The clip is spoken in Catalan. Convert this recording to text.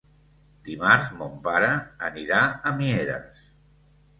Dimarts mon pare anirà a Mieres.